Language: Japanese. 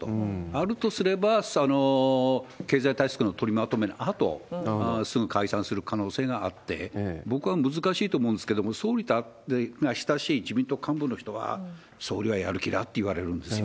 あるとすれば、経済対策の取りまとめのあと、すぐ解散する可能性があって、僕は難しいと思うんですけれども、総理に親しい自民党幹部の人は、総理はやる気だって言われるんですよ。